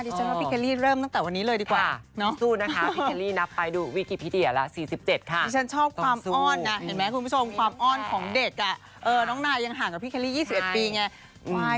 ดิฉันว่าพี่เคลรี่เป็นปีโรงเรียนเริ่มตั้งแต่วันนี้เลยดีกว่า